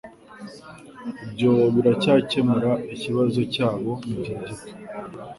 Ibyo biracyakemura ikibazo cyabo mugihe gito.